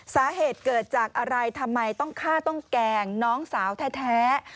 สาเหตุเกิดจากอะไรทำไมต้องฆ่าต้องแกล้งน้องสาวแท้